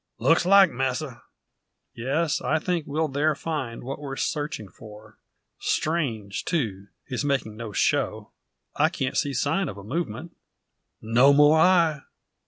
"Looks like, masser." "Yes; I think we'll there find what we're searching for. Strange, too, his making no show. I can't see sign of a movement." "No more I."